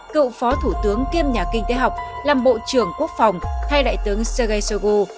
cựu phó thủ tướng kiêm nhà kinh tế học làm bộ trưởng quốc phòng hai đại tướng sergei shoigu